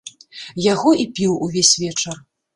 Яго і піў увесь вечар.